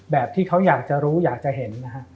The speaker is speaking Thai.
แบบที่เขาอยากจะรู้อยากจะเห็น